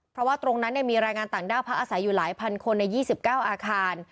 เพราะว่าตรงนั้นมีรายงานต่างด้าวพักอาศัยอยู่หลายพันคนใน๒๙อาคาร